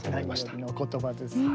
何よりのお言葉ですね。